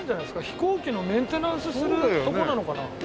飛行機のメンテナンスするとこなのかな。